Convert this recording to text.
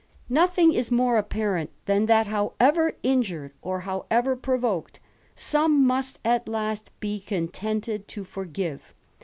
Nothing is more apparent, than that, however injured or however provoked, some must at last be contented to forgive.